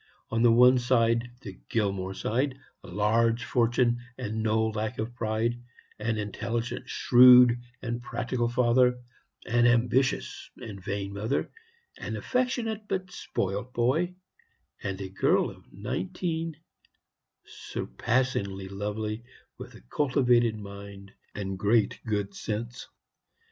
On the one side the Gilmore side a large fortune and no lack of pride; an intelligent, shrewd, and practical father; an ambitious and vain mother; an affectionate but spoilt boy; and a girl of nineteen, surpassingly lovely, with a cultivated mind and great good sense.